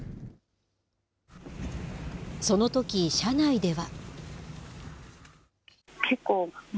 そのとき、車内では。